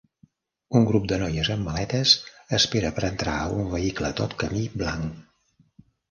Un grup de noies amb maletes espera per entrar a un vehicle tot camí blanc.